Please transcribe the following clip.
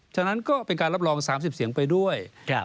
ฉะนั้นก็เป็นการรับรอง๓๐เสียงไปด้วย